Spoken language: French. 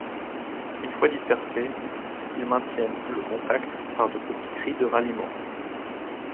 Une fois dispersés, ils maintiennent le contact par de petits cris de ralliement.